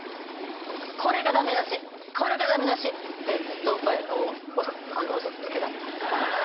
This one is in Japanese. これがダメ出しこれがダメ出し」っつってずっとおっぱいを押しつけてたんです